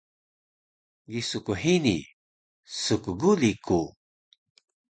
Gisu ku hini, skguli ku!